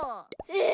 え！